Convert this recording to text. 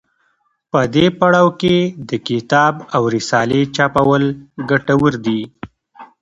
په دې پړاو کې د کتاب او رسالې چاپول ګټور دي.